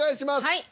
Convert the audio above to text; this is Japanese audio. はい。